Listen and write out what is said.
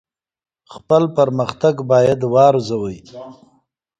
خپل پرمختګ باید وارزوئ.